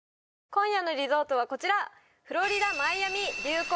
今夜のリゾートはこちら！